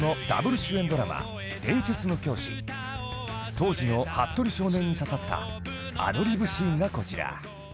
［当時のはっとり少年に刺さったアドリブシーンがこちら］